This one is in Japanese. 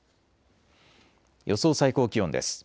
予想最高気温です。